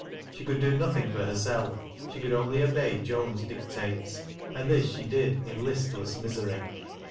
She could do nothing for herself, she could only obey Joan's dic tates, and this she did in listless misery.